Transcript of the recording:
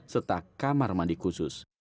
serta kamar mandi khusus